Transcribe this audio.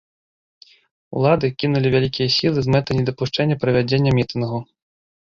Улады, кінулі вялікія сілы з мэтай недапушчэння правядзення мітынгу.